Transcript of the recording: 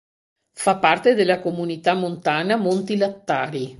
Fa parte della Comunità montana Monti Lattari.